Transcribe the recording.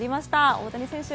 大谷選手